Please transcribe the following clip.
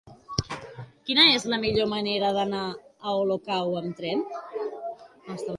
Quina és la millor manera d'anar a Olocau amb tren?